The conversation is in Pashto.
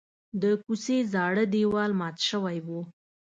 د کوڅې زاړه دیوال مات شوی و.